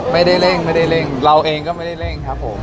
ไม่ได้เร่งไม่ได้เร่งเราเองก็ไม่ได้เร่งครับผม